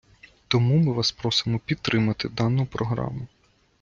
Тому ми вас просимо підтримати дану програму.